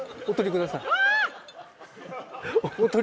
お取りください。